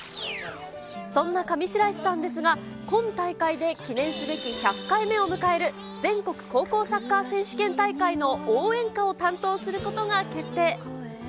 そんな上白石さんですが、今大会で記念すべき１００回目を迎える全国高校サッカー選手権大会の応援歌を担当することが決定。